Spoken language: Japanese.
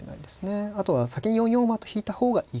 あとは先に４四馬と引いた方がいい可能性はあると。